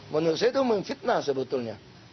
menurut saya itu memfitnah sebetulnya